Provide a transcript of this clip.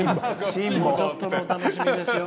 もうちょっとのお楽しみですよ！